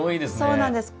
そうなんです。